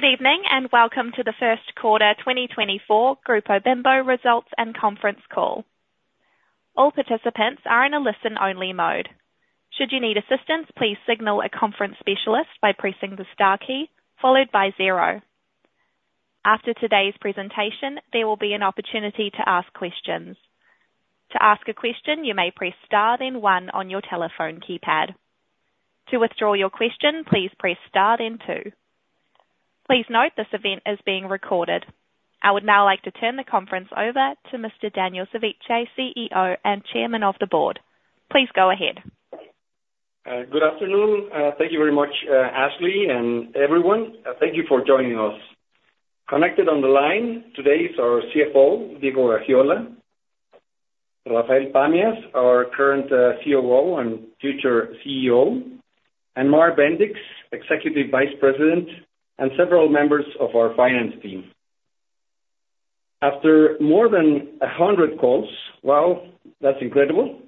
Good evening and welcome to the first quarter 2024 Grupo Bimbo results and conference call. All participants are in a listen-only mode. Should you need assistance, please signal a conference specialist by pressing the star key followed by 0. After today's presentation, there will be an opportunity to ask questions. To ask a question, you may press star then 1 on your telephone keypad. To withdraw your question, please press star then 2. Please note this event is being recorded. I would now like to turn the conference over to Mr. Daniel Servitje, CEO and Chairman of the Board. Please go ahead. Good afternoon. Thank you very much, Ashley, and everyone. Thank you for joining us. Connected on the line today is our CFO, Diego Cuevas, Rafael Pamias, our current COO and future CEO, and Mark Bendix, Executive Vice President, and several members of our finance team. After more than 100 calls (wow, that's incredible),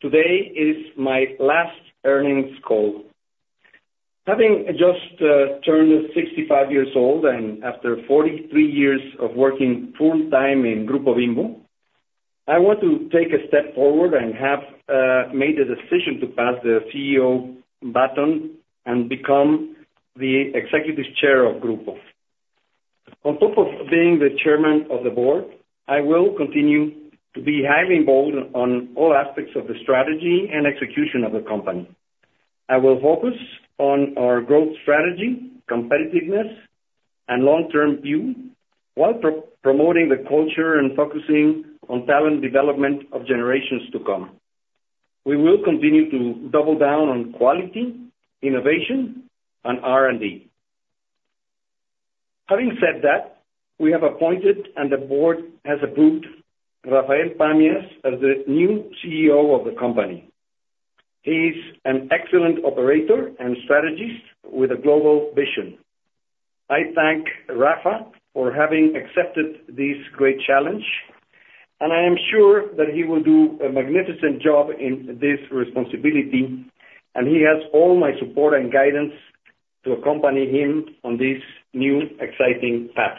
today is my last earnings call. Having just turned 65 years old and after 43 years of working full-time in Grupo Bimbo, I want to take a step forward and have made the decision to pass the CEO baton and become the Executive Chair of Group. On top of being the Chairman of the Board, I will continue to be highly involved in all aspects of the strategy and execution of the company. I will focus on our growth strategy, competitiveness, and long-term view while promoting the culture and focusing on talent development of generations to come. We will continue to double down on quality, innovation, and R&D. Having said that, we have appointed, and the board has approved, Rafael Pamias as the new CEO of the company. He's an excellent operator and strategist with a global vision. I thank Rafa for having accepted this great challenge, and I am sure that he will do a magnificent job in this responsibility, and he has all my support and guidance to accompany him on this new exciting path.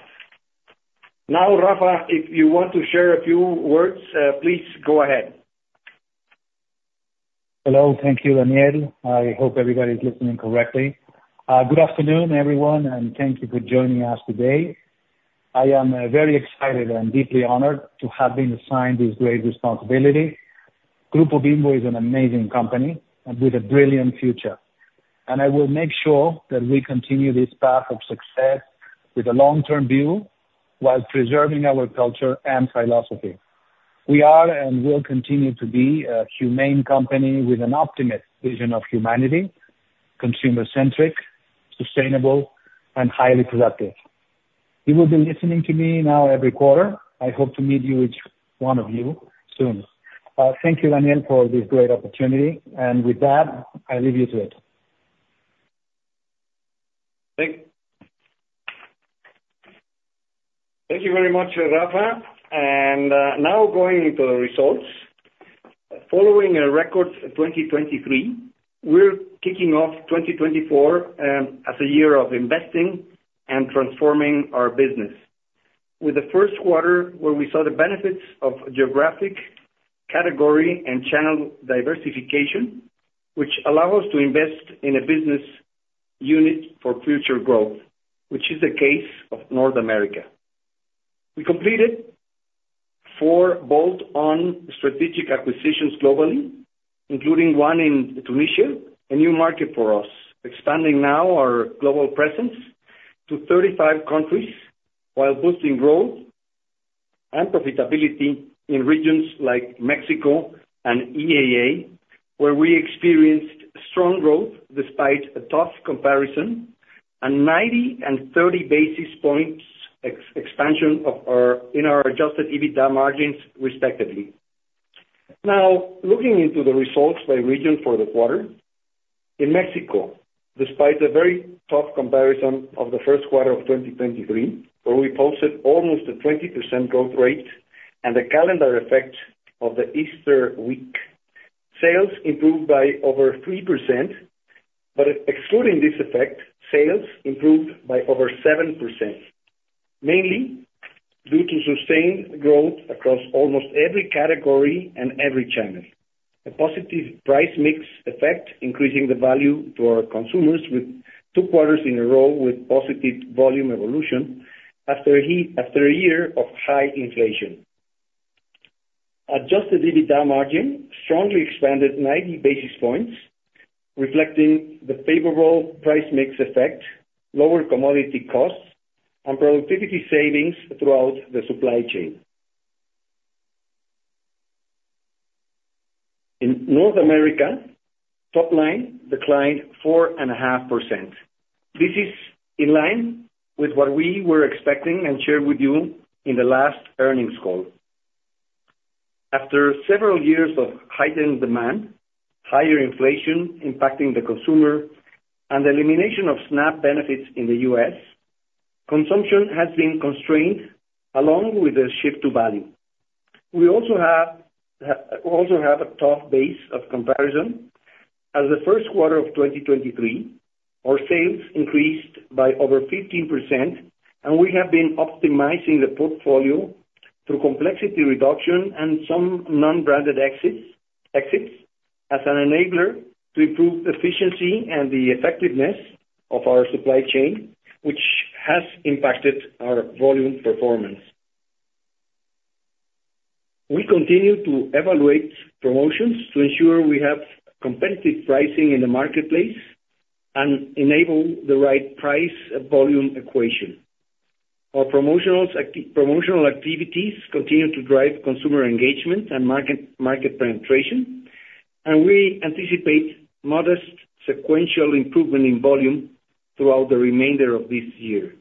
Now, Rafa, if you want to share a few words, please go ahead. Hello. Thank you, Daniel. I hope everybody is listening correctly. Good afternoon, everyone, and thank you for joining us today. I am very excited and deeply honored to have been assigned this great responsibility. Grupo Bimbo is an amazing company with a brilliant future, and I will make sure that we continue this path of success with a long-term view while preserving our culture and philosophy. We are and will continue to be a humane company with an optimistic vision of humanity: consumer-centric, sustainable, and highly productive. You will be listening to me now every quarter. I hope to meet each one of you soon. Thank you, Daniel, for this great opportunity, and with that, I leave you to it. Thank you very much, Rafa. Now going into the results. Following a record 2023, we're kicking off 2024 as a year of investing and transforming our business. With the first quarter, where we saw the benefits of geographic, category, and channel diversification, which allow us to invest in a business unit for future growth, which is the case of North America. We completed 4 bolt-on strategic acquisitions globally, including one in Tunisia, a new market for us, expanding now our global presence to 35 countries while boosting growth and profitability in regions like Mexico and EAA, where we experienced strong growth despite a tough comparison and 90 and 30 basis points expansion in our adjusted EBITDA margins, respectively. Now, looking into the results by region for the quarter, in Mexico, despite a very tough comparison of the first quarter of 2023, where we posted almost a 20% growth rate and the calendar effect of the Easter week, sales improved by over 3%. But excluding this effect, sales improved by over 7%, mainly due to sustained growth across almost every category and every channel: a positive price mix effect increasing the value to our consumers with two quarters in a row with positive volume evolution after a year of high inflation. Adjusted EBITDA margin strongly expanded 90 basis points, reflecting the favorable price mix effect, lower commodity costs, and productivity savings throughout the supply chain. In North America, top line declined 4.5%. This is in line with what we were expecting and shared with you in the last earnings call. After several years of heightened demand, higher inflation impacting the consumer, and the elimination of SNAP benefits in the U.S., consumption has been constrained along with a shift to value. We also have a tough base of comparison. As the first quarter of 2023, our sales increased by over 15%, and we have been optimizing the portfolio through complexity reduction and some non-branded exits as an enabler to improve efficiency and the effectiveness of our supply chain, which has impacted our volume performance. We continue to evaluate promotions to ensure we have competitive pricing in the marketplace and enable the right price-volume equation. Our promotional activities continue to drive consumer engagement and market penetration, and we anticipate modest sequential improvement in volume throughout the remainder of this year.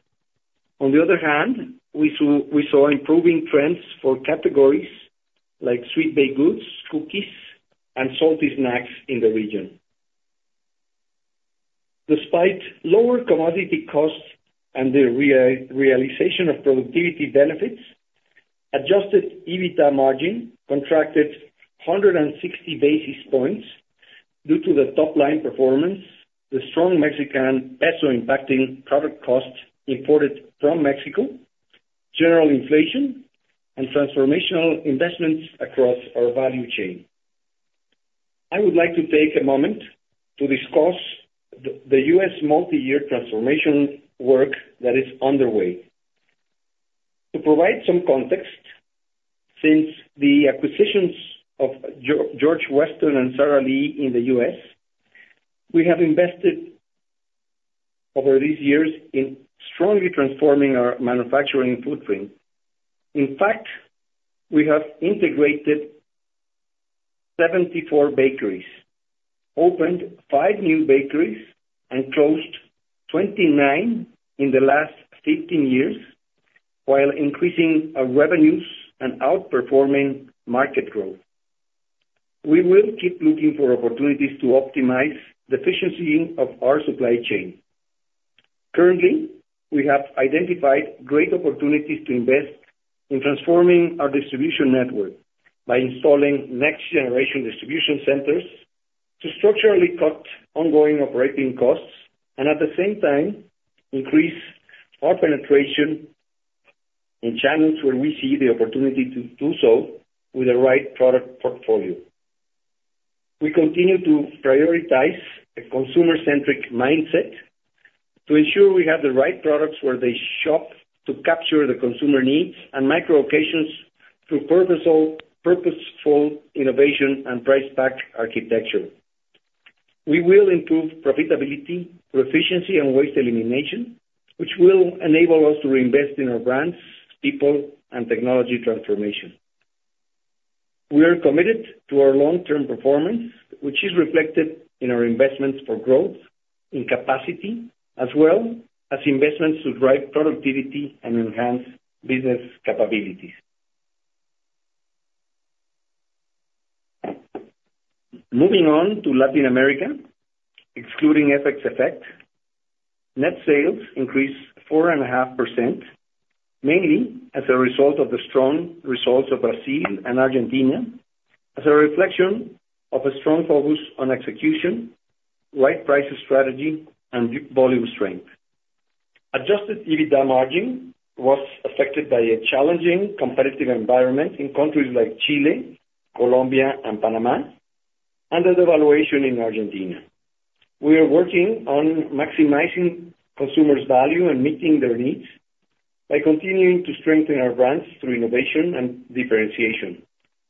On the other hand, we saw improving trends for categories like sweet baked goods, cookies, and salty snacks in the region. Despite lower commodity costs and the realization of productivity benefits, adjusted EBITDA margin contracted 160 basis points due to the top line performance, the strong Mexican peso impacting product costs imported from Mexico, general inflation, and transformational investments across our value chain. I would like to take a moment to discuss the US multi-year transformation work that is underway. To provide some context, since the acquisitions of George Weston and Sara Lee in the US, we have invested over these years in strongly transforming our manufacturing footprint. In fact, we have integrated 74 bakeries, opened five new bakeries, and closed 29 in the last 15 years while increasing revenues and outperforming market growth. We will keep looking for opportunities to optimize the efficiency of our supply chain. Currently, we have identified great opportunities to invest in transforming our distribution network by installing next-generation distribution centers to structurally cut ongoing operating costs and, at the same time, increase our penetration in channels where we see the opportunity to do so with the right product portfolio. We continue to prioritize a consumer-centric mindset to ensure we have the right products where they shop to capture the consumer needs and micro-occasions through purposeful innovation and price-pack architecture. We will improve profitability, proficiency, and waste elimination, which will enable us to reinvest in our brands, people, and technology transformation. We are committed to our long-term performance, which is reflected in our investments for growth in capacity as well as investments to drive productivity and enhance business capabilities. Moving on to Latin America, excluding FX effect, net sales increased 4.5%, mainly as a result of the strong results of Brazil and Argentina as a reflection of a strong focus on execution, right pricing strategy, and volume strength. Adjusted EBITDA margin was affected by a challenging competitive environment in countries like Chile, Colombia, and Panama, and a devaluation in Argentina. We are working on maximizing consumers' value and meeting their needs by continuing to strengthen our brands through innovation and differentiation,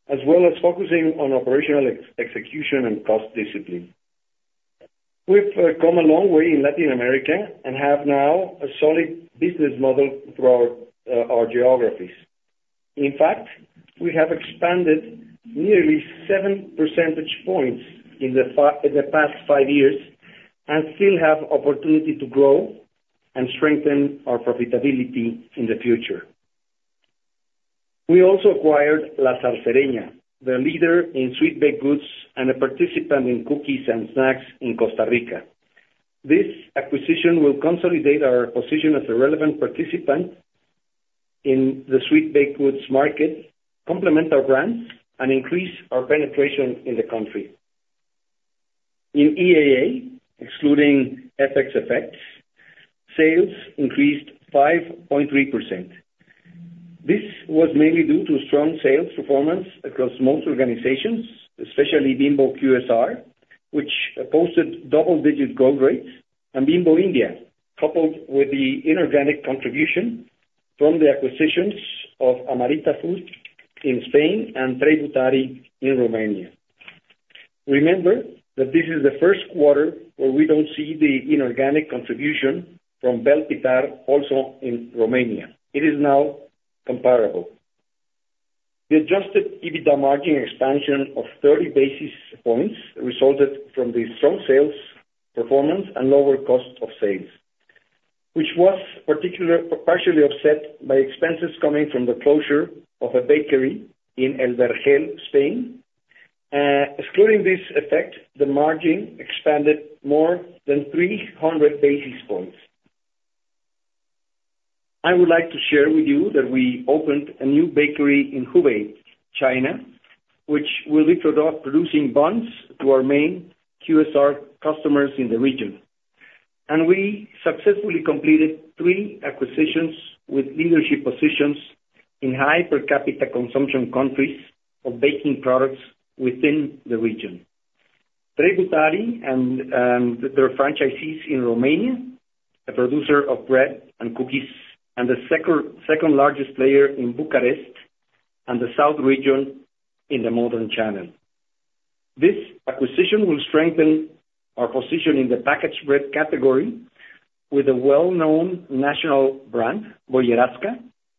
as well as focusing on operational execution and cost discipline. We've come a long way in Latin America and have now a solid business model throughout our geographies. In fact, we have expanded nearly 7 percentage points in the past five years and still have opportunity to grow and strengthen our profitability in the future. We also acquired La Zarcereña, the leader in sweet baked goods and a participant in cookies and snacks in Costa Rica. This acquisition will consolidate our position as a relevant participant in the sweet baked goods market, complement our brands, and increase our penetration in the country. In EAA, excluding FX effects, sales increased 5.3%. This was mainly due to strong sales performance across most organizations, especially Bimbo QSR, which posted double-digit growth rates, and Bimbo India, coupled with the inorganic contribution from the acquisitions of Amarinta in Spain and Trei Brutari in Romania. Remember that this is the first quarter where we don't see the inorganic contribution from Vel Pitar, also in Romania. It is now comparable. The Adjusted EBITDA margin expansion of 30 basis points resulted from the strong sales performance and lower cost of sales, which was partially offset by expenses coming from the closure of a bakery in El Vergel, Spain. Excluding this effect, the margin expanded more than 300 basis points. I would like to share with you that we opened a new bakery in Hubei, China, which will introduce producing buns to our main QSR customers in the region. We successfully completed three acquisitions with leadership positions in high per capita consumption countries of baking products within the region: Trei Brutari and their franchisees in Romania, a producer of bread and cookies, and the second-largest player in Bucharest and the south region in the modern channel. This acquisition will strengthen our position in the packaged bread category with a well-known national brand, Boiereasca,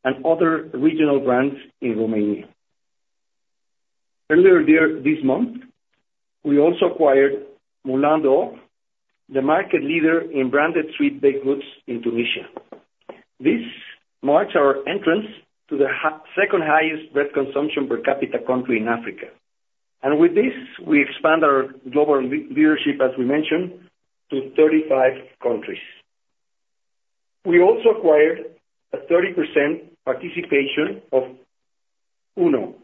and other regional brands in Romania. Earlier this month, we also acquired Moulin d'Or, the market leader in branded sweet baked goods in Tunisia. This marks our entrance to the second-highest bread consumption per capita country in Africa. With this, we expand our global leadership, as we mentioned, to 35 countries. We also acquired a 30% participation of UNO,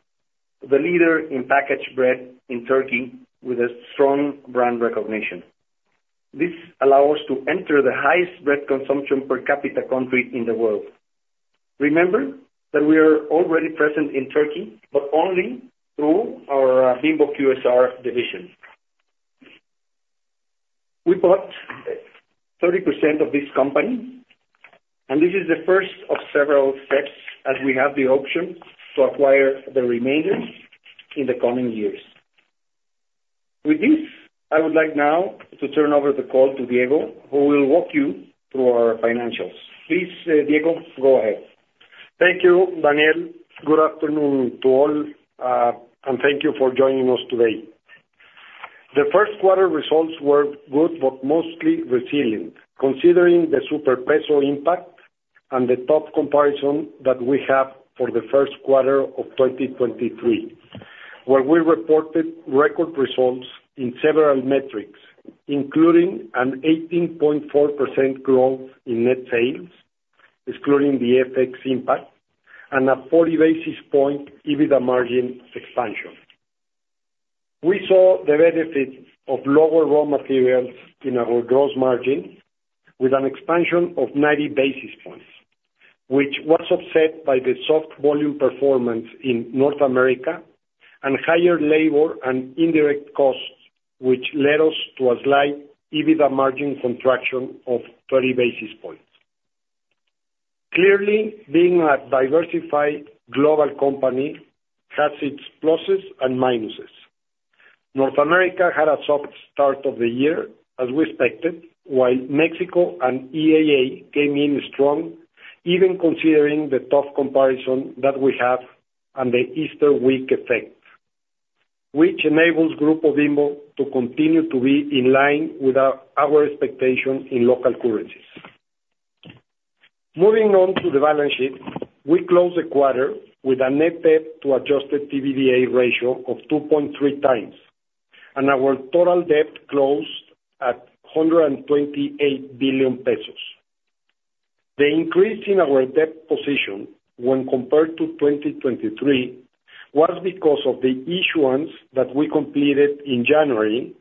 the leader in packaged bread in Turkey, with a strong brand recognition. This allows us to enter the highest bread consumption per capita country in the world. Remember that we are already present in Turkey, but only through our Bimbo QSR division. We bought 30% of this company, and this is the first of several steps as we have the option to acquire the remainder in the coming years. With this, I would like now to turn over the call to Diego, who will walk you through our financials. Please, Diego, go ahead. Thank you, Daniel. Good afternoon to all, and thank you for joining us today. The first quarter results were good but mostly resilient, considering the super peso impact and the top comparison that we have for the first quarter of 2023, where we reported record results in several metrics, including an 18.4% growth in net sales, excluding the FX impact, and a 40 basis point EBITDA margin expansion. We saw the benefit of lower raw materials in our gross margin with an expansion of 90 basis points, which was offset by the soft volume performance in North America and higher labor and indirect costs, which led us to a slight EBITDA margin contraction of 30 basis points. Clearly, being a diversified global company has its pluses and minuses. North America had a soft start of the year, as we expected, while Mexico and EAA came in strong, even considering the tough comparison that we have and the Easter week effect, which enables Grupo Bimbo to continue to be in line with our expectation in local currencies. Moving on to the balance sheet, we closed the quarter with a net debt to adjusted EBITDA ratio of 2.3 times, and our total debt closed at 128 billion pesos. The increase in our debt position when compared to 2023 was because of the issuance that we completed in January,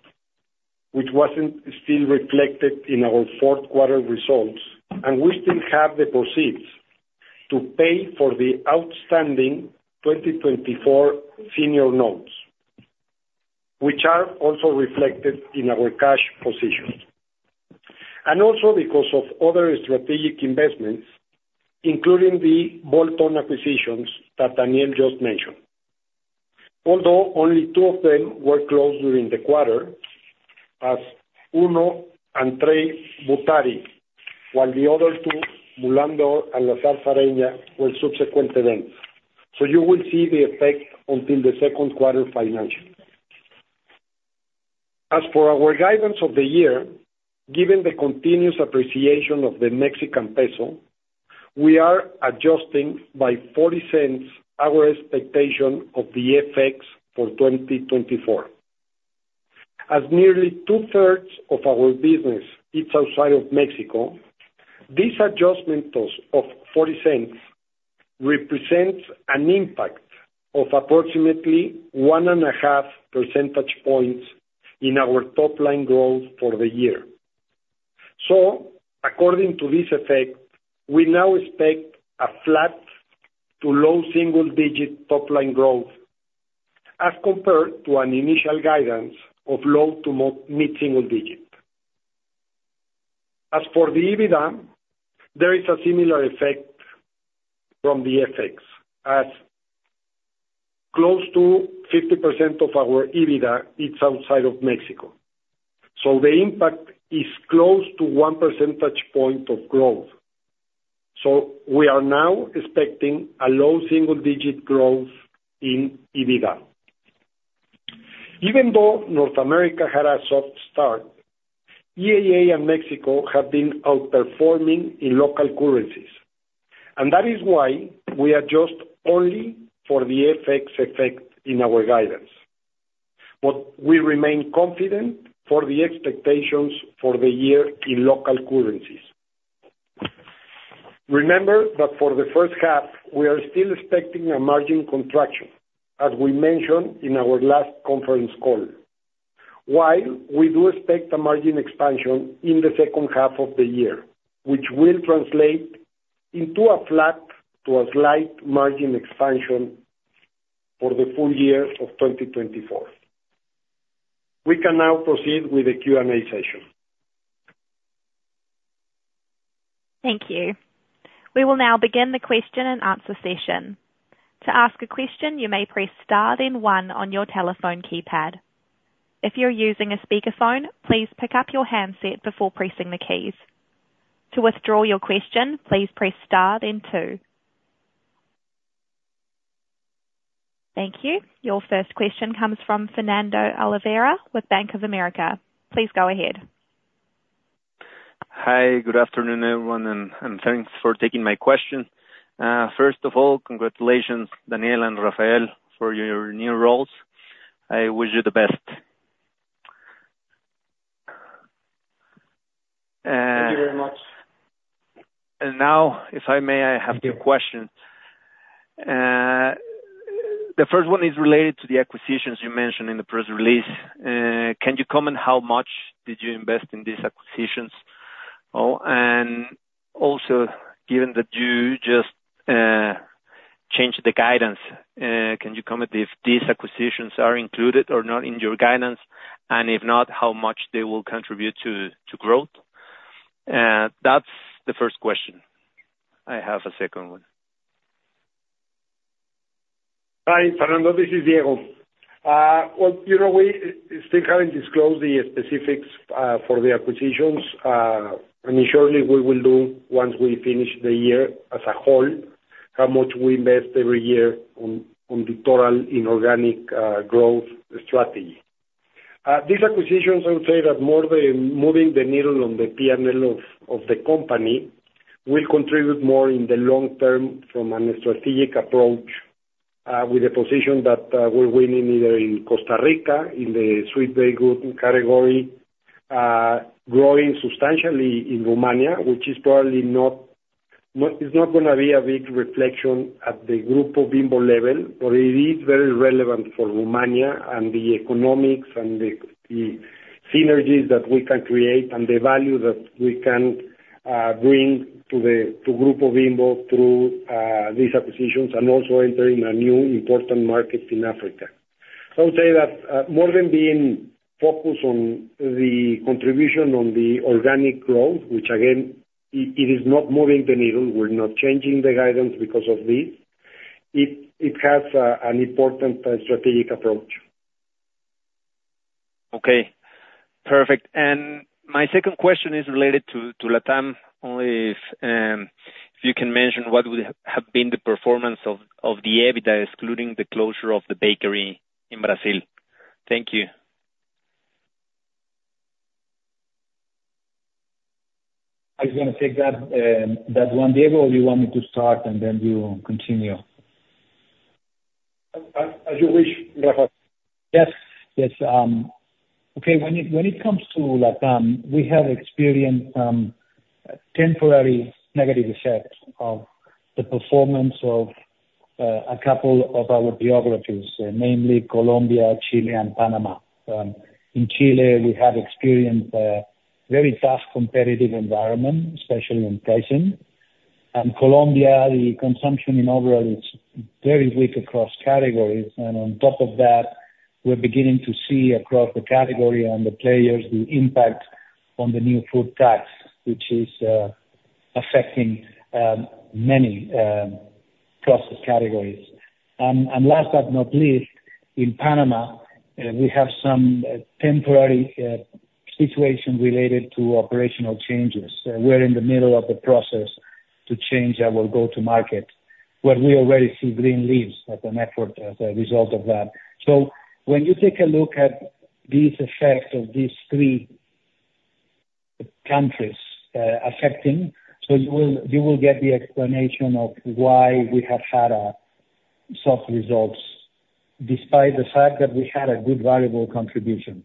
which wasn't still reflected in our fourth quarter results, and we still have the proceeds to pay for the outstanding 2024 senior notes, which are also reflected in our cash position, and also because of other strategic investments, including the bolt-on acquisitions that Daniel just mentioned, although only two of them were closed during the quarter, as UNO and Trei Brutari, while the other two, Moulin d'Or and La Zarcereña, were subsequent events. So you will see the effect until the second quarter financial. As for our guidance of the year, given the continuous appreciation of the Mexican peso, we are adjusting by 0.40 our expectation of the FX for 2024. As nearly two-thirds of our business is outside of Mexico, this adjustment of 40 cents represents an impact of approximately 1.5 percentage points in our top line growth for the year. According to this effect, we now expect a flat to low single-digit top line growth as compared to an initial guidance of low to mid-single digit. As for the EBITDA, there is a similar effect from the FX, as close to 50% of our EBITDA is outside of Mexico. The impact is close to 1 percentage point of growth. We are now expecting a low single-digit growth in EBITDA. Even though North America had a soft start, EAA and Mexico have been outperforming in local currencies, and that is why we adjust only for the FX effect in our guidance, but we remain confident for the expectations for the year in local currencies. Remember that for the first half, we are still expecting a margin contraction, as we mentioned in our last conference call, while we do expect a margin expansion in the second half of the year, which will translate into a flat to a slight margin expansion for the full year of 2024. We can now proceed with the Q&A session. Thank you. We will now begin the question and answer session. To ask a question, you may press star then one on your telephone keypad. If you're using a speakerphone, please pick up your handset before pressing the keys. To withdraw your question, please press star then two. Thank you. Your first question comes from Fernando Olvera with Bank of America. Please go ahead. Hi. Good afternoon, everyone, and thanks for taking my question. First of all, congratulations, Daniel and Rafael, for your new roles. I wish you the best. Thank you very much. Now, if I may, I have two questions. The first one is related to the acquisitions you mentioned in the press release. Can you comment how much did you invest in these acquisitions? And also, given that you just changed the guidance, can you comment if these acquisitions are included or not in your guidance, and if not, how much they will contribute to growth? That's the first question. I have a second one. Hi, Fernando. This is Diego. Well, we still haven't disclosed the specifics for the acquisitions. Initially, we will do, once we finish the year as a whole, how much we invest every year on the total inorganic growth strategy. These acquisitions, I would say that more than moving the needle on the P&L of the company, will contribute more in the long term from a strategic approach with a position that we're winning either in Costa Rica in the sweet baked goods category, growing substantially in Romania, which is probably not it's not going to be a big reflection at the Grupo Bimbo level, but it is very relevant for Romania and the economics and the synergies that we can create and the value that we can bring to Grupo Bimbo through these acquisitions and also entering a new important market in Africa. So I would say that more than being focused on the contribution on the organic growth, which, again, it is not moving the needle. We're not changing the guidance because of this. It has an important strategic approach. Okay. Perfect. My second question is related to LatAm. Only if you can mention what would have been the performance of the EBITDA, excluding the closure of the bakery in Brazil. Thank you. I was going to take that one, Diego. Or do you want me to start and then you continue? As you wish, Rafael. Yes. Yes. Okay. When it comes to LatAm, we have experienced temporary negative effects of the performance of a couple of our geographies, namely Colombia, Chile, and Panama. In Chile, we have experienced a very tough competitive environment, especially in pricing. In Colombia, the overall consumption is very weak across categories. On top of that, we're beginning to see across the category and the players the impact of the new food tax, which is affecting many processed categories. Last but not least, in Panama, we have some temporary situation related to operational changes. We're in the middle of the process to change our go-to-market, where we already see green shoots as a result of that effort. So when you take a look at these effects of these three countries affecting, so you will get the explanation of why we have had soft results despite the fact that we had a good variable contribution.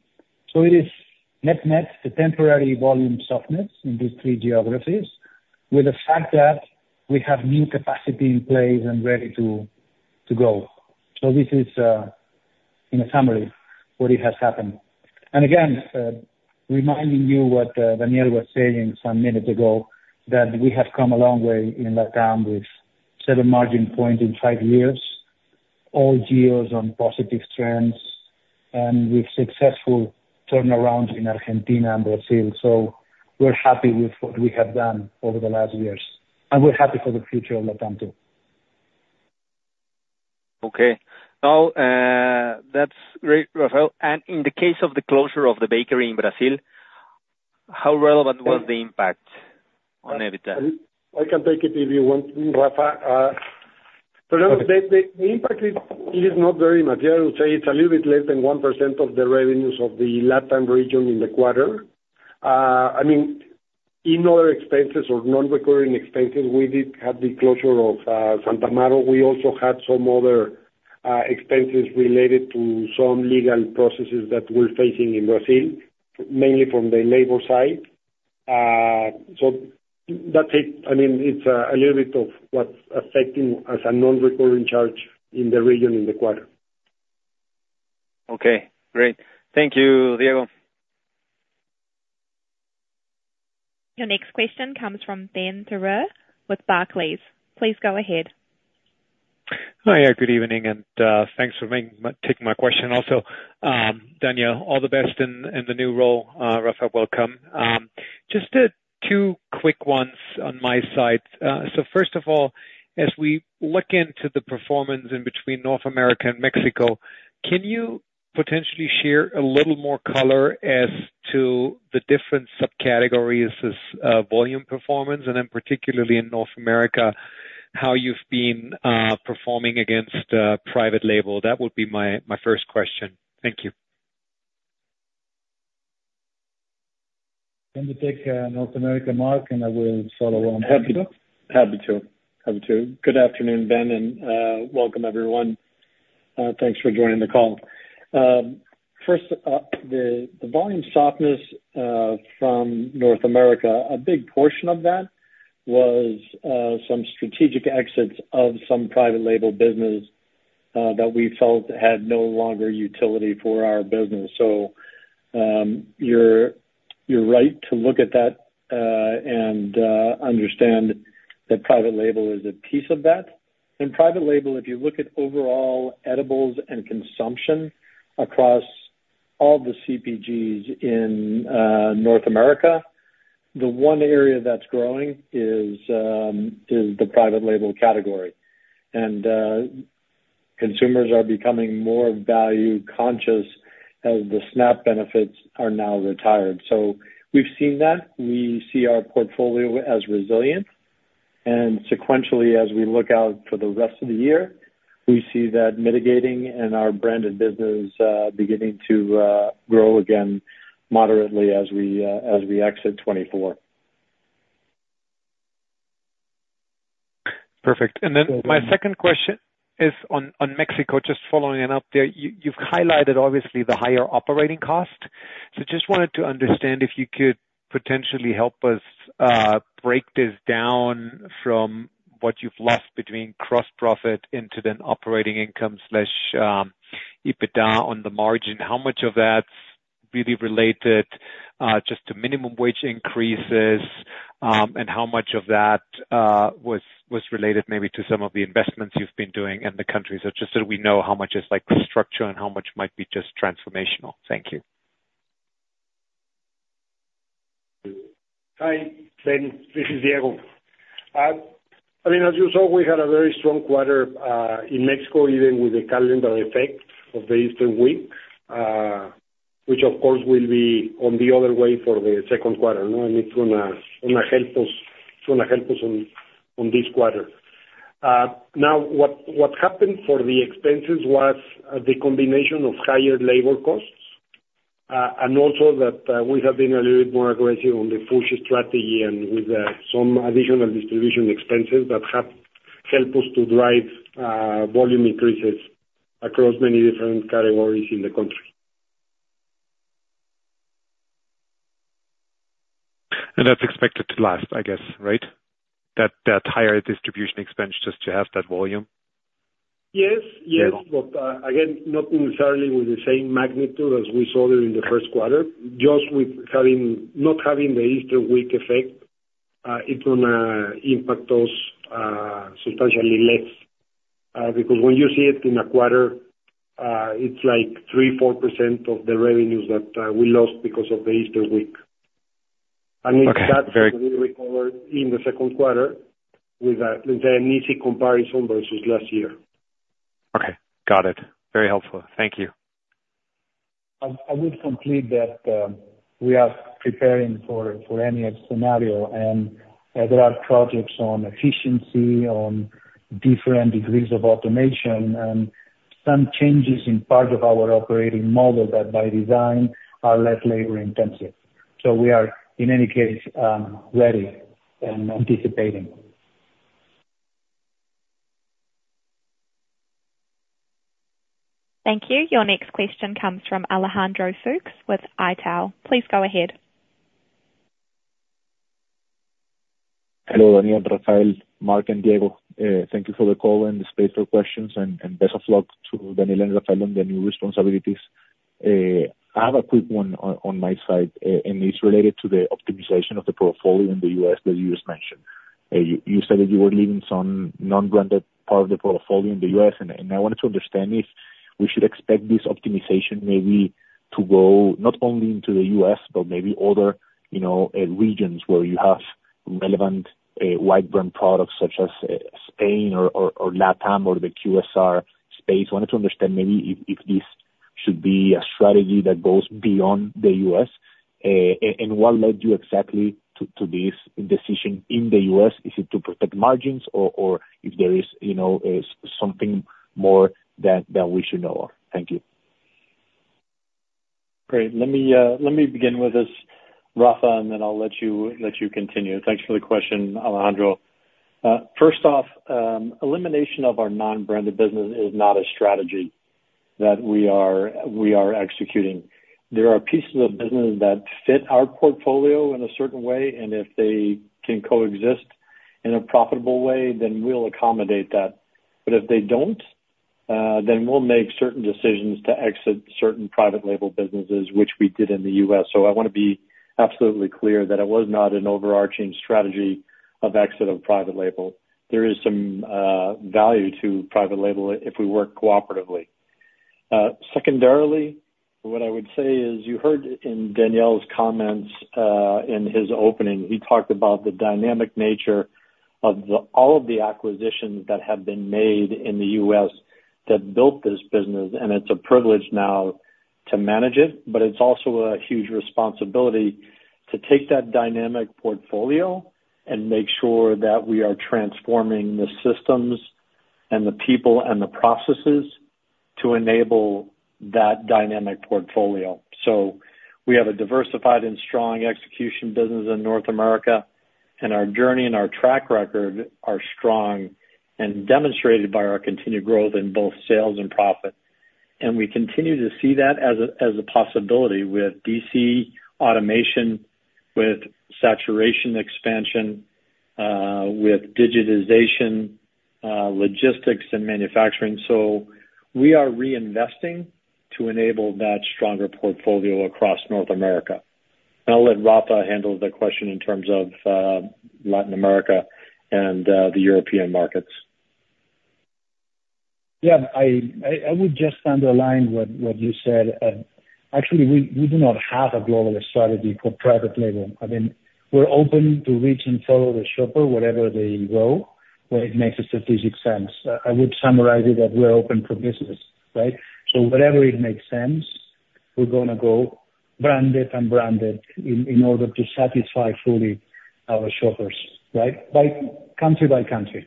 So it is net-net, the temporary volume softness in these three geographies with the fact that we have new capacity in place and ready to go. So this is, in a summary, what has happened. And again, reminding you what Daniel was saying some minutes ago, that we have come a long way in LatAm with set a margin point in five years, all geos on positive trends, and with successful turnarounds in Argentina and Brazil. So we're happy with what we have done over the last years, and we're happy for the future of LatAm too. Okay. Now, that's great, Rafael. And in the case of the closure of the bakery in Brazil, how relevant was the impact on EBITDA? I can take it if you want, Rafael. Fernando, the impact is not very much. I would say it's a little bit less than 1% of the revenues of the LatAm region in the quarter. I mean, in other expenses or non-recurring expenses, we did have the closure of Santa Maria. We also had some other expenses related to some legal processes that we're facing in Brazil, mainly from the labor side. So that's it. I mean, it's a little bit of what's affecting as a non-recurring charge in the region in the quarter. Okay. Great. Thank you, Diego. Your next question comes from Ben Theurer with Barclays. Please go ahead. Hi. Good evening, and thanks for taking my question also. Daniel, all the best in the new role. Rafael, welcome. Just two quick ones on my side. So first of all, as we look into the performance in between North America and Mexico, can you potentially share a little more color as to the different subcategories as volume performance and then, particularly in North America, how you've been performing against private label? That would be my first question. Thank you. Can you take North America, Mark, and I will follow on? Happy to. Good afternoon, Ben, and welcome, everyone. Thanks for joining the call. First, the volume softness from North America, a big portion of that was some strategic exits of some private label business that we felt had no longer utility for our business. So you're right to look at that and understand that private label is a piece of that. Private label, if you look at overall edibles and consumption across all the CPGs in North America, the one area that's growing is the private label category. Consumers are becoming more value-conscious as the SNAP benefits are now retired. So we've seen that. We see our portfolio as resilient. Sequentially, as we look out for the rest of the year, we see that mitigating and our branded business beginning to grow again moderately as we exit 2024. Perfect. And then my second question is on Mexico. Just following up there, you've highlighted, obviously, the higher operating cost. So just wanted to understand if you could potentially help us break this down from what you've lost between gross profit into then operating income/EBITDA on the margin. How much of that's really related just to minimum wage increases, and how much of that was related maybe to some of the investments you've been doing in the countries? Just so we know how much is structure and how much might be just transformational. Thank you. Hi, Ben. This is Diego. I mean, as you saw, we had a very strong quarter in Mexico, even with the calendar effect of the Easter Week, which, of course, will be on the other way for the second quarter, and it's going to help us on this quarter. Now, what happened for the expenses was the combination of higher labor costs and also that we have been a little bit more aggressive on the push strategy and with some additional distribution expenses that have helped us to drive volume increases across many different categories in the country. That's expected to last, I guess, right? That higher distribution expense just to have that volume? Yes. Yes. But again, not necessarily with the same magnitude as we saw there in the first quarter. Just with not having the Easter Week effect, it's going to impact us substantially less because when you see it in a quarter, it's like 3%-4% of the revenues that we lost because of the Easter Week. And that's going to be recovered in the second quarter with an easy comparison versus last year. Okay. Got it. Very helpful. Thank you. I would complete that. We are preparing for any scenario. And there are projects on efficiency, on different degrees of automation, and some changes in part of our operating model that, by design, are less labor-intensive. So we are, in any case, ready and anticipating. Thank you. Your next question comes from Alejandro Fuchs with Itaú BBA. Please go ahead. Hello, Daniel, Rafael, Mark, and Diego. Thank you for the call and the space for questions. Best of luck to Daniel and Rafael on the new responsibilities. I have a quick one on my side, and it's related to the optimization of the portfolio in the U.S. that you just mentioned. You said that you were leaving some non-branded part of the portfolio in the U.S. I wanted to understand if we should expect this optimization maybe to go not only into the U.S. but maybe other regions where you have relevant private label products such as Spain or Latam or the QSR space. I wanted to understand maybe if this should be a strategy that goes beyond the U.S. What led you exactly to this decision in the U.S.? Is it to protect margins, or if there is something more that we should know of? Thank you. Great. Let me begin with this, Rafa, and then I'll let you continue. Thanks for the question, Alejandro. First off, elimination of our non-branded business is not a strategy that we are executing. There are pieces of business that fit our portfolio in a certain way. And if they can coexist in a profitable way, then we'll accommodate that. But if they don't, then we'll make certain decisions to exit certain private label businesses, which we did in the U.S. So I want to be absolutely clear that it was not an overarching strategy of exit of private label. There is some value to private label if we work cooperatively. Secondarily, what I would say is you heard in my comments in his opening. He talked about the dynamic nature of all of the acquisitions that have been made in the U.S. that built this business. It's a privilege now to manage it, but it's also a huge responsibility to take that dynamic portfolio and make sure that we are transforming the systems and the people and the processes to enable that dynamic portfolio. So we have a diversified and strong execution business in North America. Our journey and our track record are strong and demonstrated by our continued growth in both sales and profit. We continue to see that as a possibility with DC automation, with saturation expansion, with digitization, logistics, and manufacturing. So we are reinvesting to enable that stronger portfolio across North America. I'll let Rafa handle the question in terms of Latin America and the European markets. Yeah. I would just underline what you said. Actually, we do not have a global strategy for private label. I mean, we're open to reach and follow the shopper wherever they go, where it makes a strategic sense. I would summarize it that we're open for business, right? So whatever it makes sense, we're going to go branded and branded in order to satisfy fully our shoppers, right, country by country.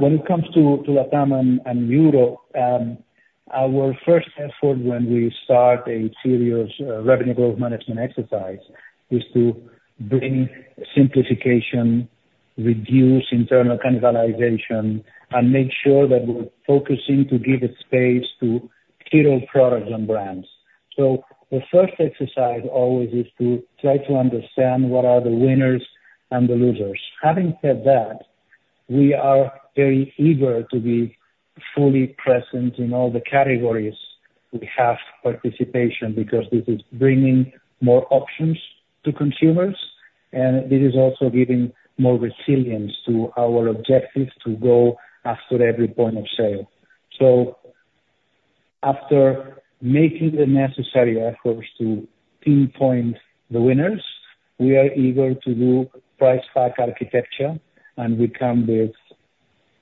When it comes to LatAm and Europe, our first effort when we start a serious revenue growth management exercise is to bring simplification, reduce internal cannibalization, and make sure that we're focusing to give a space to kill products and brands. So the first exercise always is to try to understand what are the winners and the losers. Having said that, we are very eager to be fully present in all the categories. We have participation because this is bringing more options to consumers. This is also giving more resilience to our objective to go after every point of sale. After making the necessary efforts to pinpoint the winners, we are eager to do price-pack architecture. We come with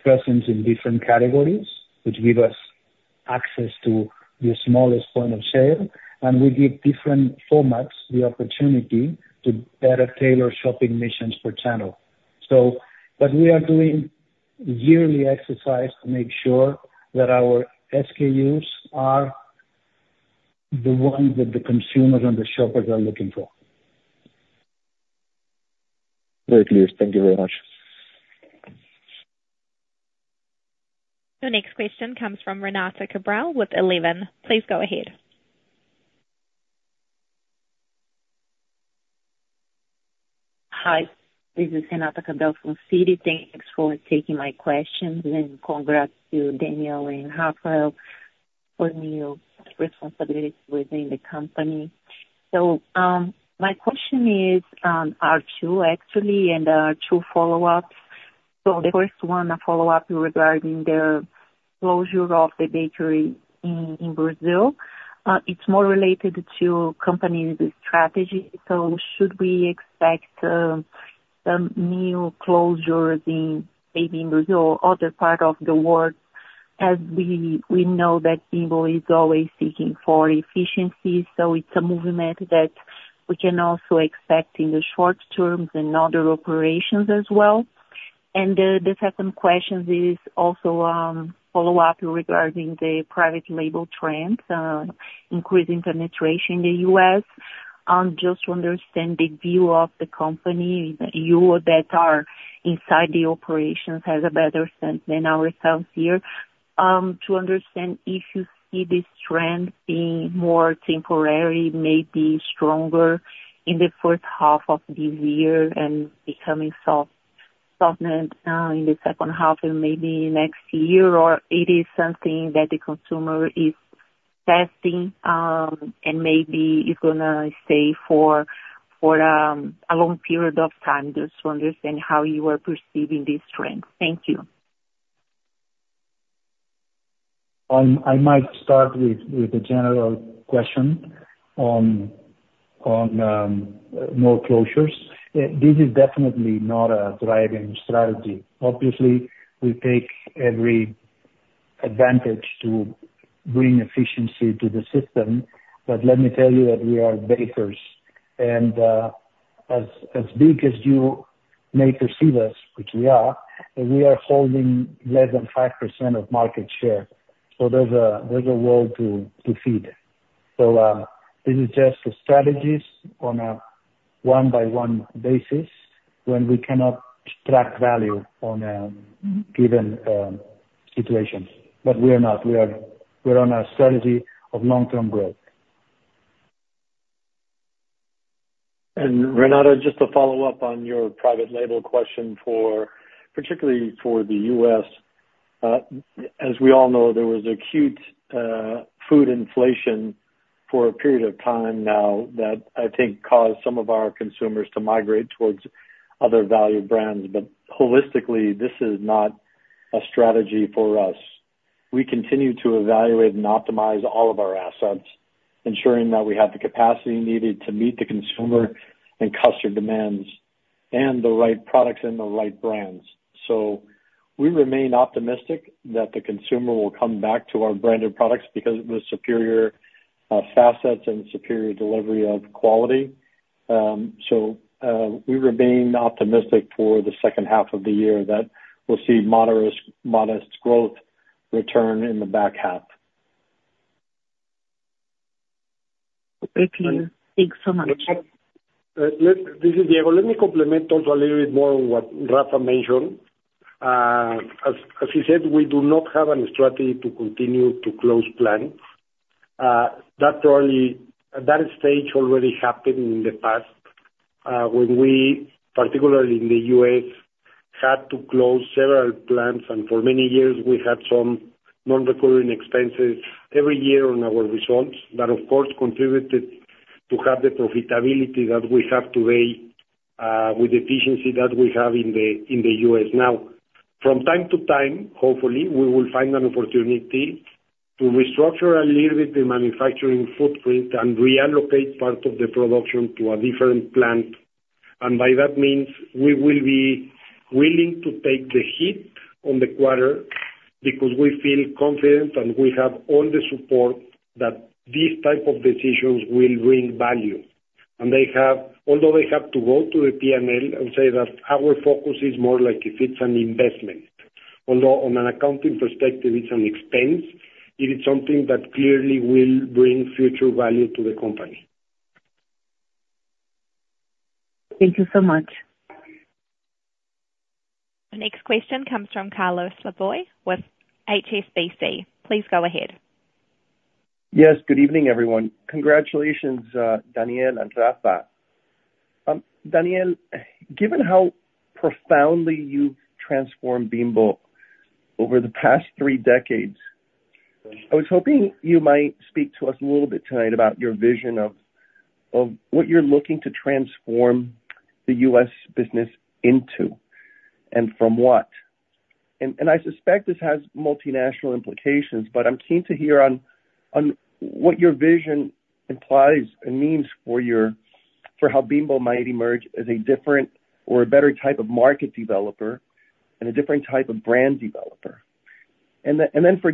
presence in different categories, which give us access to the smallest point of sale. We give different formats the opportunity to better tailor shopping missions per channel. We are doing yearly exercise to make sure that our SKUs are the ones that the consumers and the shoppers are looking for. Very clear. Thank you very much. Your next question comes from Renata Cabral with Citi. Please go ahead. Hi. This is Renata Cabral from Citi. Thanks for taking my questions. And congrats to Daniel and Rafael for new responsibilities within the company. So my question is or two, actually, and or two follow-ups. So the first one, a follow-up regarding the closure of the bakery in Brazil. It's more related to company strategy. So should we expect some new closures maybe in Brazil or other part of the world? As we know that Bimbo is always seeking for efficiency, so it's a movement that we can also expect in the short term and other operations as well. And the second question is also a follow-up regarding the private label trends, increasing penetration in the US. Just to understand the view of the company, you that are inside the operations have a better sense than ourselves here to understand if you see this trend being more temporary, maybe stronger in the first half of this year and becoming softened in the second half and maybe next year, or it is something that the consumer is testing and maybe is going to stay for a long period of time? Just to understand how you are perceiving this trend. Thank you. I might start with a general question on more closures. This is definitely not a driving strategy. Obviously, we take every advantage to bring efficiency to the system. But let me tell you that we are bakers. And as big as you may perceive us, which we are, we are holding less than 5% of market share. So there's a world to feed. So this is just strategies on a one-by-one basis when we cannot track value on a given situation. But we are not. We are on a strategy of long-term growth. Renata, just to follow up on your private label question, particularly for the U.S., as we all know, there was acute food inflation for a period of time now that I think caused some of our consumers to migrate towards other value brands. But holistically, this is not a strategy for us. We continue to evaluate and optimize all of our assets, ensuring that we have the capacity needed to meet the consumer and customer demands and the right products and the right brands. So we remain optimistic that the consumer will come back to our branded products because it was superior facets and superior delivery of quality. So we remain optimistic for the second half of the year that we'll see modest growth return in the back half. Thank you. Thanks so much. This is Diego. Let me complement also a little bit more on what Rafa mentioned. As he said, we do not have a strategy to continue to close plants. That stage already happened in the past when we, particularly in the U.S., had to close several plants. And for many years, we had some non-recurring expenses every year on our results that, of course, contributed to have the profitability that we have today with efficiency that we have in the U.S. Now, from time to time, hopefully, we will find an opportunity to restructure a little bit the manufacturing footprint and reallocate part of the production to a different plant. And by that means, we will be willing to take the hit on the quarter because we feel confident and we have all the support that these type of decisions will bring value. Although they have to go to the P&L, I would say that our focus is more like if it's an investment. Although on an accounting perspective, it's an expense, it is something that clearly will bring future value to the company. Thank you so much. Your next question comes from Carlos Laboy with HSBC. Please go ahead. Yes. Good evening, everyone. Congratulations, Daniel and Rafa. Daniel, given how profoundly you've transformed Bimbo over the past three decades, I was hoping you might speak to us a little bit tonight about your vision of what you're looking to transform the U.S. business into and from what. And I suspect this has multinational implications, but I'm keen to hear on what your vision implies and means for how Bimbo might emerge as a different or a better type of market developer and a different type of brand developer. And then for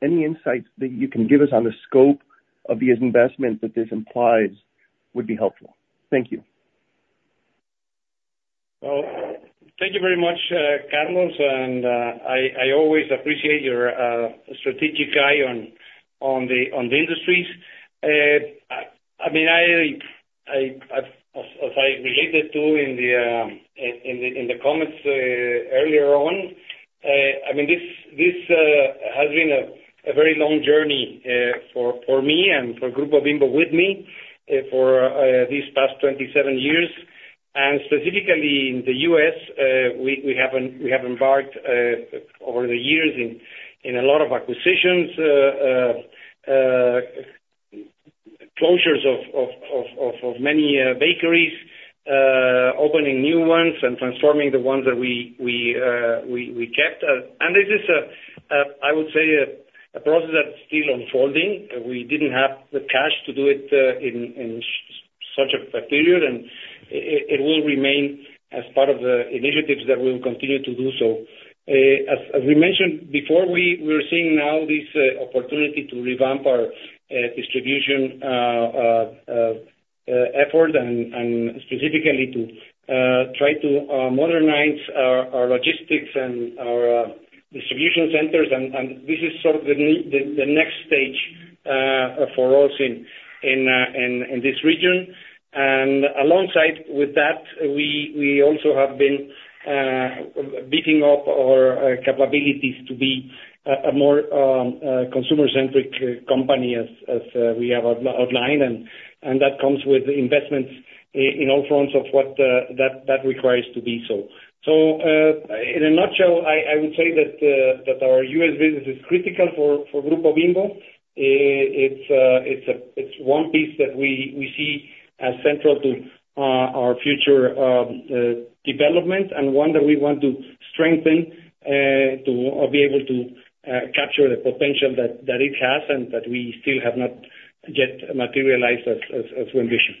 Diego, any insights that you can give us on the scope of these investments that this implies would be helpful. Thank you. Well, thank you very much, Carlos. I always appreciate your strategic eye on the industries. I mean, as I related to in the comments earlier on, I mean, this has been a very long journey for me and for Grupo Bimbo with me for these past 27 years. Specifically in the U.S., we have embarked over the years in a lot of acquisitions, closures of many bakeries, opening new ones, and transforming the ones that we kept. This is, I would say, a process that's still unfolding. We didn't have the cash to do it in such a period. It will remain as part of the initiatives that we will continue to do so. As we mentioned before, we are seeing now this opportunity to revamp our distribution effort and specifically to try to modernize our logistics and our distribution centers. This is sort of the next stage for us in this region. Alongside with that, we also have been beefing up our capabilities to be a more consumer-centric company as we have outlined. That comes with investments in all fronts of what that requires to be so. In a nutshell, I would say that our US business is critical for Grupo Bimbo. It's one piece that we see as central to our future development and one that we want to strengthen to be able to capture the potential that it has and that we still have not yet materialized as we envision.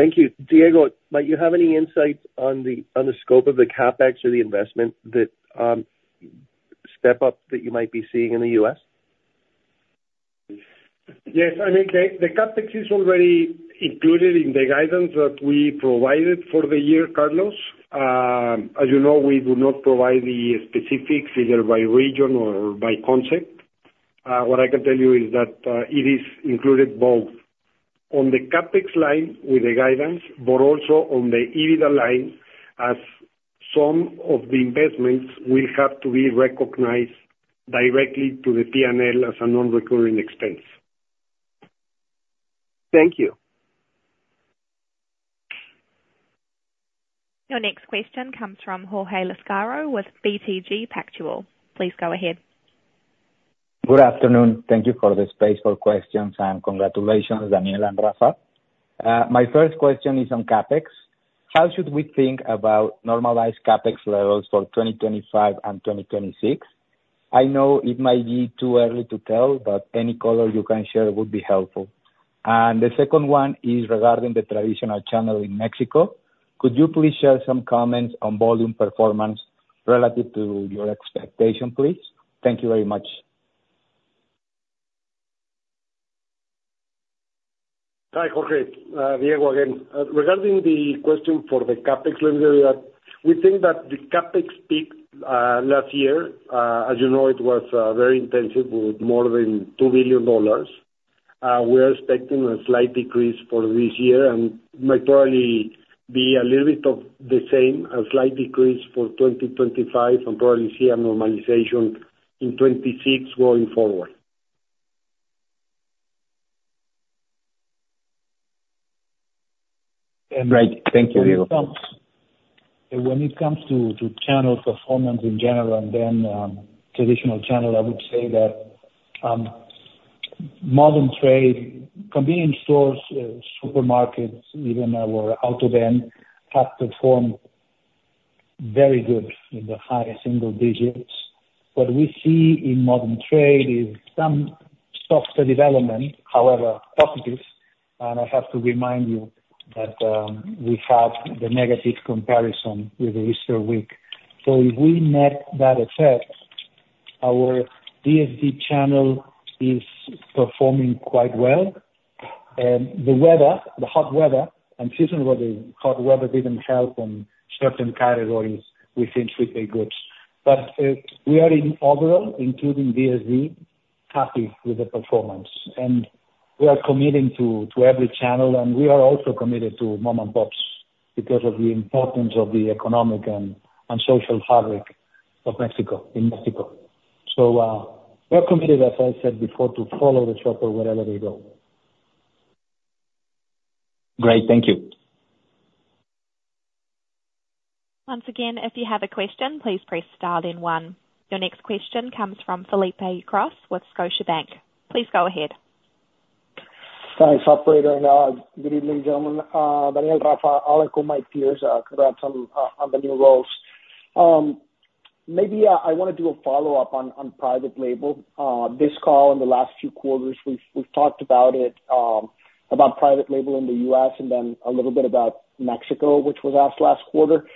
Thank you. Diego, might you have any insights on the scope of the CapEx or the investment step-up that you might be seeing in the U.S.? Yes. I mean, the CapEx is already included in the guidance that we provided for the year, Carlos. As you know, we do not provide the specifics either by region or by concept. What I can tell you is that it is included both on the CapEx line with the guidance but also on the EBITDA line as some of the investments will have to be recognized directly to the P&L as a non-recurring expense. Thank you. Your next question comes from Jorge Lizarazo with BTG Pactual. Please go ahead. Good afternoon. Thank you for the space for questions. Congratulations, Daniel and Rafa. My first question is on CapEx. How should we think about normalized CapEx levels for 2025 and 2026? I know it might be too early to tell, but any color you can share would be helpful. The second one is regarding the traditional channel in Mexico. Could you please share some comments on volume performance relative to your expectation, please? Thank you very much. Hi, Jorge. Diego again. Regarding the question for the CapEx levels, we think that the CapEx peak last year, as you know, it was very intensive with more than $2 billion. We are expecting a slight decrease for this year and might probably be a little bit of the same, a slight decrease for 2025 and probably see a normalization in 2026 going forward. Great. Thank you, Diego. When it comes to channel performance in general and then traditional channel, I would say that modern trade, convenience stores, supermarkets, even our Autovend have performed very good in the high single digits. What we see in modern trade is some softer development, however, positive. And I have to remind you that we had the negative comparison with the Easter week. So if we met that effect, our DSD channel is performing quite well. And the weather, the hot weather and seasonal weather, hot weather didn't help on certain categories within sweet baked goods. But we are in overall, including DSD, happy with the performance. And we are committing to every channel. And we are also committed to mom-and-pops because of the importance of the economic and social fabric in Mexico. So we are committed, as I said before, to follow the shopper wherever they go. Great. Thank you. Once again, if you have a question, please press star one. Your next question comes from Felipe Ucros with Scotiabank. Please go ahead. Hi. It's operator now. Good evening, gentlemen. Daniel, Rafa, Alejo, my peers. Congrats on the new roles. Maybe I want to do a follow-up on private label. This call in the last few quarters, we've talked about private label in the U.S. and then a little bit about Mexico, which was asked last quarter.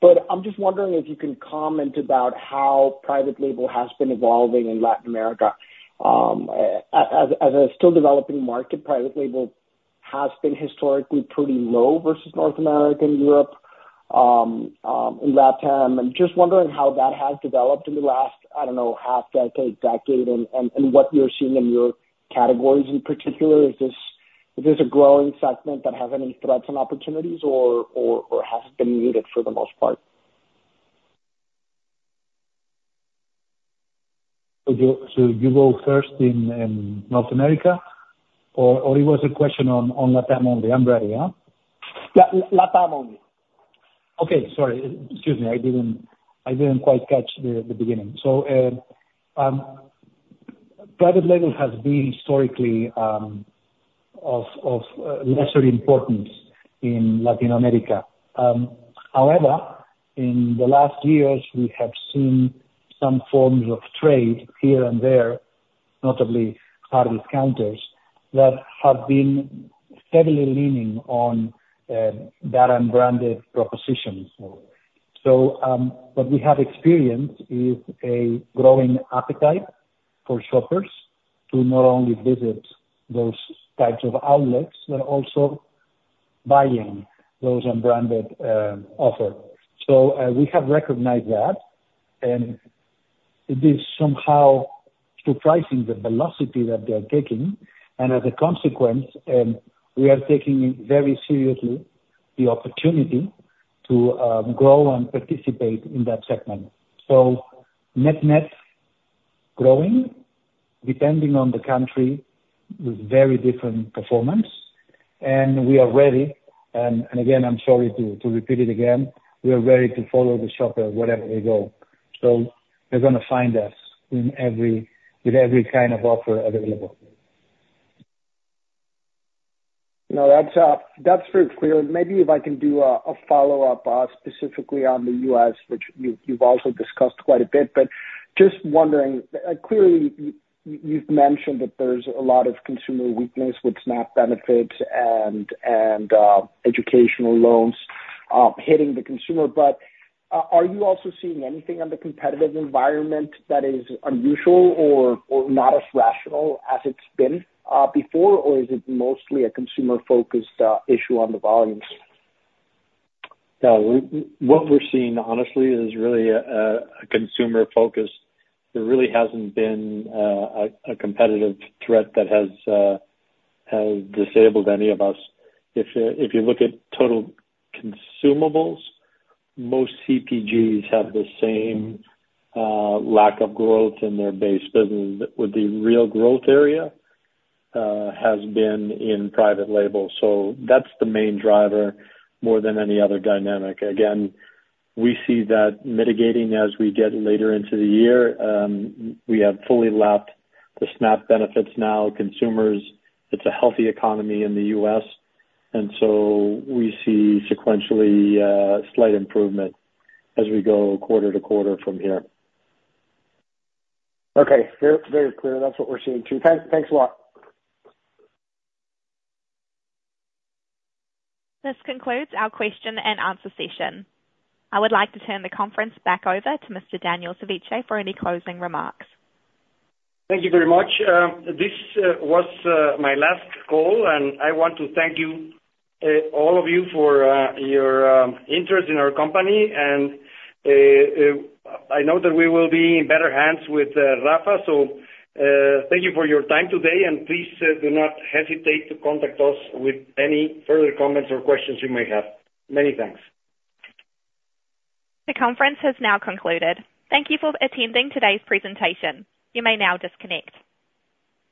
But I'm just wondering if you can comment about how private label has been evolving in Latin America. As a still-developing market, private label has been historically pretty low versus North America, Europe, and LatAm. And just wondering how that has developed in the last, I don't know, half-decade, decade, and what you're seeing in your categories in particular. Is this a growing segment that has any threats and opportunities or has it been muted for the most part? So you go first in North America? Or it was a question on LatAm only? I'm ready, huh? LatAm only. Okay. Sorry. Excuse me. I didn't quite catch the beginning. So private label has been historically of lesser importance in Latin America. However, in the last years, we have seen some forms of trade here and there, notably hard discounters, that have been heavily leaning on that unbranded proposition. So what we have experienced is a growing appetite for shoppers to not only visit those types of outlets but also buying those unbranded offers. So we have recognized that. And it is somehow surprising the velocity that they are taking. And as a consequence, we are taking very seriously the opportunity to grow and participate in that segment. So net-net growing, depending on the country, with very different performance. And we are ready. And again, I'm sorry to repeat it again. We are ready to follow the shopper wherever they go. So they're going to find us with every kind of offer available. Now, that's very clear. Maybe if I can do a follow-up specifically on the U.S., which you've also discussed quite a bit. But just wondering, clearly, you've mentioned that there's a lot of consumer weakness with SNAP benefits and educational loans hitting the consumer. But are you also seeing anything in the competitive environment that is unusual or not as rational as it's been before? Or is it mostly a consumer-focused issue on the volumes? Yeah. What we're seeing, honestly, is really a consumer-focused. There really hasn't been a competitive threat that has disabled any of us. If you look at total consumables, most CPGs have the same lack of growth in their base business. But the real growth area has been in private label. So that's the main driver more than any other dynamic. Again, we see that mitigating as we get later into the year. We have fully lapped the SNAP benefits now. It's a healthy economy in the U.S. And so we see sequentially slight improvement as we go quarter to quarter from here. Okay. Very clear. That's what we're seeing too. Thanks a lot. This concludes our question and answer session. I would like to turn the conference back over to Mr. Daniel Servitje for any closing remarks. Thank you very much. This was my last call. I want to thank all of you for your interest in our company. I know that we will be in better hands with Rafa. Thank you for your time today. Please do not hesitate to contact us with any further comments or questions you may have. Many thanks. The conference has now concluded. Thank you for attending today's presentation. You may now disconnect.